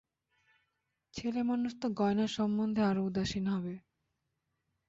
ছেলেমানুষ তো গয়না সম্বন্ধে আরও উদাসীন হবে।